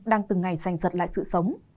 đang từng ngày giành dật lại sự sống